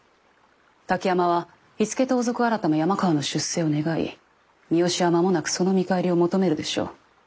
滝山は火付盗賊改山川の出世を願い三好は間もなくその見返りを求めるでしょう。